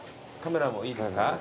カメラもいいですか？